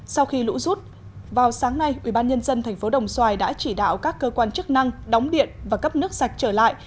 sau khi lũ rút vào sáng nay ubnd tp đồng xoài đã chỉ đạo các cơ quan chức năng đóng điện và cấp nước sạch trở lại